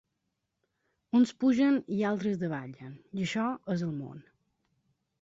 Uns pugen i altres davallen, i açò és el món.